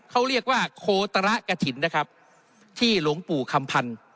เขาเรียกว่าโคตระกฐินนะครับที่หลวงปู่คำพันธ์